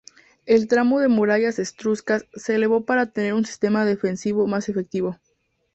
El tramo de murallas etruscas se elevó para tener un sistema defensivo más efectivo.